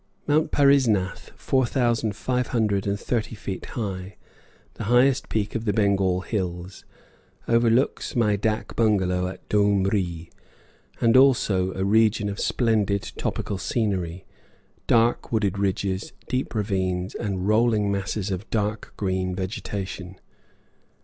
Mount Parisnath, four thousand five hundred and thirty feet high, the highest peak of the Bengal hills, overlooks my dak bungalow at Doomree, and also a region of splendid tropical scenery, dark wooded ridges, deep ravines, and rolling masses of dark green vegetation.